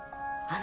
あ。